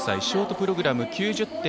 ショートプログラム